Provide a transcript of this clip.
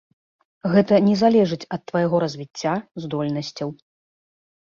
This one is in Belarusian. Гэта не залежыць ад твайго развіцця, здольнасцяў.